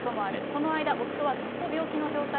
その間、夫はずっと病気の状態。